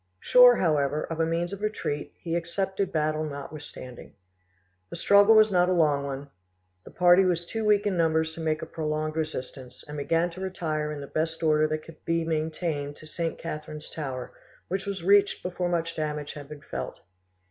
Sure, however, of a means of retreat, he accepted battle, notwithstanding. The struggle was not a long one; the one party was too weak in numbers to make a prolonged resistance, and began to retire in the best order that could be maintained to St. Catherine's tower, which was reached before much damage had been felt.